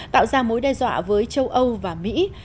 tạo ra mối đe dọa với châu âu và mỹ